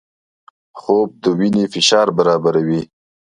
خوب د وینې فشار برابروي